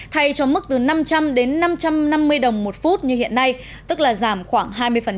thay cho mức từ năm trăm linh đến năm trăm năm mươi đồng một phút như hiện nay tức là giảm khoảng hai mươi